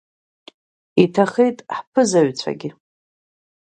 Иҭахеит ҳԥызаҩцәагьы!